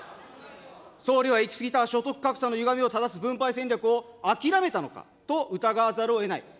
総理は行き過ぎた所得格差のゆがみをただす分配戦略を諦めたのかと疑わざるをえない。